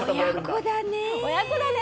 親子だね。